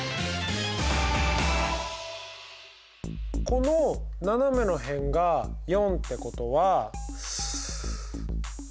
この斜めの辺が４ってことはは。